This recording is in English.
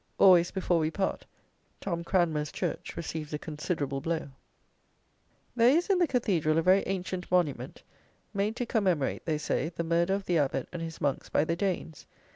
Always before we part, Tom Cranmer's church receives a considerable blow. There is in the cathedral a very ancient monument, made to commemorate, they say, the murder of the abbot and his monks by the Danes.